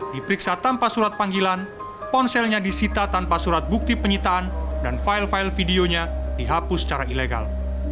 diperiksa tanpa surat panggilan ponselnya disita tanpa surat bukti penyitaan dan file file videonya dihapus secara ilegal